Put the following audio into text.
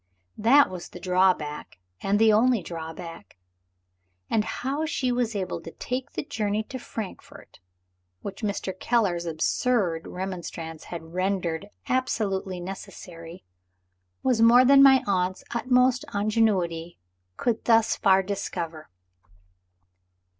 That was the drawback, and the only drawback; and how she was to take the journey to Frankfort, which Mr. Keller's absurd remonstrance had rendered absolutely necessary, was more than my aunt's utmost ingenuity could thus far discover.